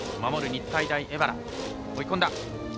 日体大荏原、追い込んだ。